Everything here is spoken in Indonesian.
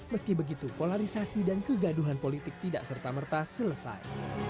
meski begitu polarisasi dan kegaduhan politik tidak serta merta selesai